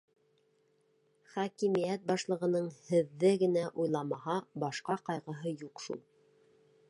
Хакимиәт башлығының һеҙҙе генә уйламаһа, башҡа ҡайғыһы юҡ шул.